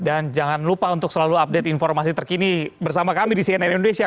dan jangan lupa untuk selalu update informasi terkini bersama kami di cnn indonesia